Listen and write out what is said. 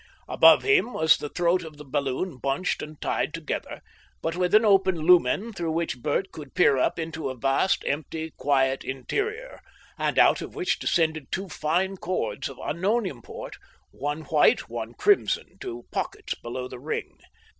Above him was the throat of the balloon bunched and tied together, but with an open lumen through which Bert could peer up into a vast, empty, quiet interior, and out of which descended two fine cords of unknown import, one white, one crimson, to pockets below the ring.